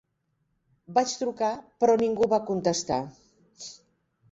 Vaig trucar, però ningú va contestar.